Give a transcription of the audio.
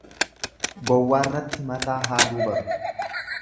Gowwaarratti mataa haaduu baru.